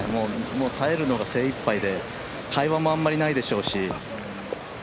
もう耐えるのが精いっぱいで、会話もあまりないでしょうし。